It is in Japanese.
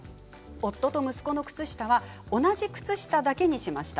夫と息子の靴下が同じ靴下だけにしました。